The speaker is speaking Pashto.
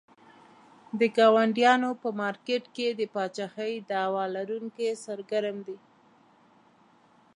د کاندیدانو په مارکېټ کې د پاچاهۍ دعوی لرونکي سرګرم دي.